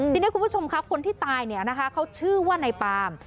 ทีนี้คุณผู้ชมค่ะคนที่ตายเขาชื่อว่านายปาล์ม